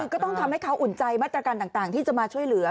ก็ต้องทำให้เขาอุ่นใจมาตรการต่างที่จะมาช่วยเหลือ